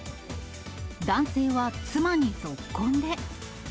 男性は妻にぞっこんで。